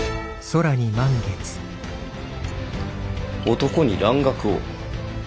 男に蘭学を。